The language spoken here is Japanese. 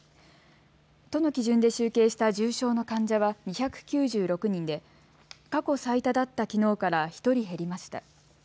都の基準で集計した重症の患者は２９６人で過去最多だったきのうから１人減りました。